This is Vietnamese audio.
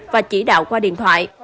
và chỉ đạo qua điện thoại